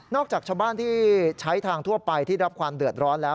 จากชาวบ้านที่ใช้ทางทั่วไปที่รับความเดือดร้อนแล้ว